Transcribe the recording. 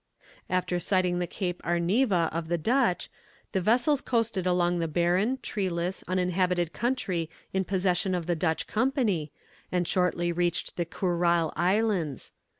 After sighting the Cape Arniva of the Dutch, the vessels coasted along the barren, treeless, uninhabited country in possession of the Dutch Company, and shortly reached the Kurile Islands.